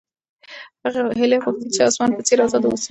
هیلې غوښتل چې د اسمان په څېر ازاده اوسي.